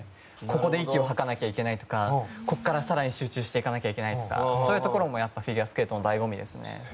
ここで息を吐かなきゃいけないとかここから更に集中していかないといけないとかそういうところもフィギュアスケートの醍醐味ですね。